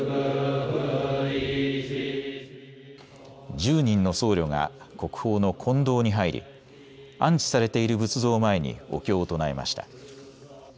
１０人の僧侶が国宝の金堂に入り、安置されている仏像を前にお経を唱えました。